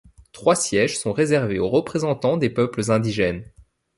Trois sièges sont réservés aux représentants des peuples indigènes.